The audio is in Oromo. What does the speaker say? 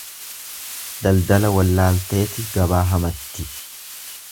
Daldala wallaalteeti gabaa hamatti.